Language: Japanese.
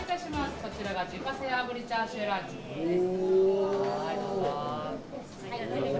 こちら、自家製炙りチャーシューです。